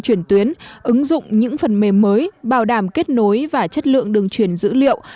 chuyển tuyến ứng dụng những phần mềm mới bảo đảm kết nối và chất lượng đường truyền dữ liệu